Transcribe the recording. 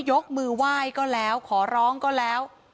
ยกมือไหว้ก็แล้วขอร้องก็แล้ว